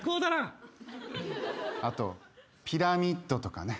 あとピラミッドとかね。